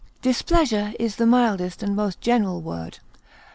Displeasure is the mildest and most general word.